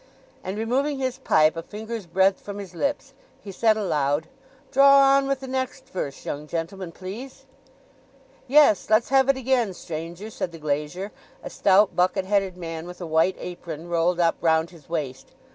And removing his pipe a finger's breadth from his lips, he said aloud, "Draw on with the next verse, young gentleman, please." "Yes. Let's have it again, stranger," said the glazier, a stout, bucket headed man, with a white apron rolled up round his waist.